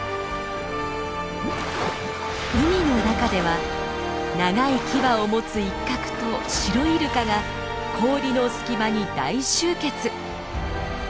海の中では長い牙を持つイッカクとシロイルカが氷の隙間に大集結。